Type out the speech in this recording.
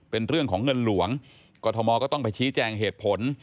เป็นเรื่องของเงินหลวงกรทมก็ต้องไปชี้แจงเหตุผล